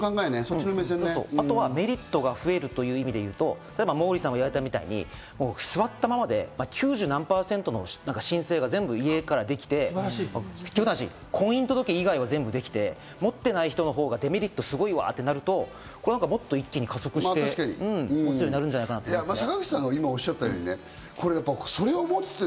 あとはメリットが増えるという意味でいうと、モーリーさんが言われたみたいに、座ったままで九十何％も申請が全部家からできて婚姻届以外は全部できて持ってない人のほうがデメリットすごいわ！ってなると、もっと一気に加速していくようになるんじゃないかと思います。